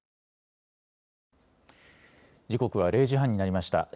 時刻は０時半になりました。